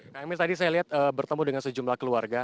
kami tadi saya lihat bertemu dengan sejumlah keluarga